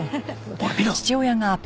おい見ろ！